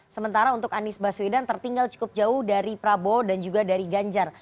sementara untuk anies baswedan tertinggal cukup jauh dari prabowo dan juga dari ganjar